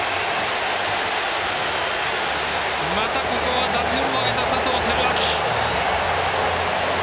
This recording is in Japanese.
また、ここは打点を挙げた佐藤輝明。